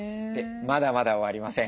まだまだ終わりません。